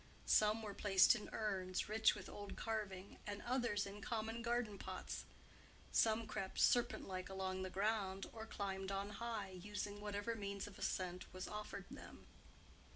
Some were placed in urns, rich with old carving, and others in common garden pots; some crept serpent like along the ground or climbed on high, using whatever means of ascent was offered them.